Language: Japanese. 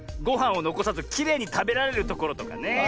ごはんをのこさずきれいにたべられるところとかね。